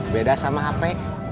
beda sama apa ya